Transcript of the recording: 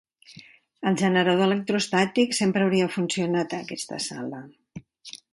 El generador electroestàtic sempre hauria funcionat a aquesta sala.